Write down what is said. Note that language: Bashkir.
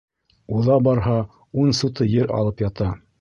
Уҙа барһа, ун сутый ер алып ята.